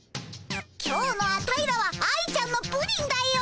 今日のアタイらは愛ちゃんのプリンだよ。